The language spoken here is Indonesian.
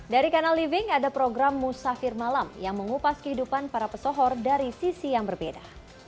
dari kanal living ada program musafir malam yang mengupas kehidupan para pesohor dari sisi yang berbeda